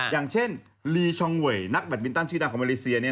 อย่างเช่นลีชองเวยนักแบตมินตันชื่อดังของมาเลเซีย